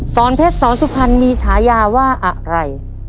สอนเพชรสอนสุพรรณมีฉายาว่าอะไร